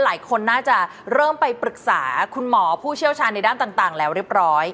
หลายคนน่าจะเริ่มไปปรึกษาคุณหมอผู้เชี่ยวชาญในด้านต่างแล้วเรียบร้อย